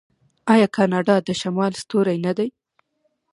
آیا کاناډا د شمال ستوری نه دی؟